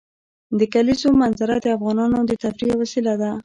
د کلیزو منظره د افغانانو د تفریح یوه وسیله ده.